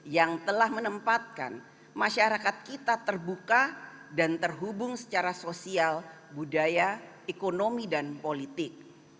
yang telah menempatkan masyarakat kita terbuka dan terhubung secara sosial budaya ekonomi dan politik